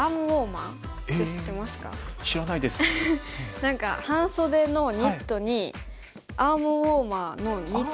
何か半袖のニットにアームウォーマーのニット。